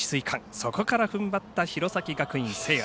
そこからふんばった弘前学院聖愛。